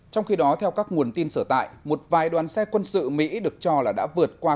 trong khi đó theo các nguồn tin sở tại một vài đoàn xe quân sự mỹ được cho là đã vượt qua